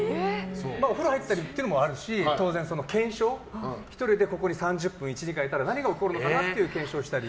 風呂入ったりっていうのもあるし、当然、検証１人でここに３０分、１時間いたら何が起こるのかなっていう検証をしたり。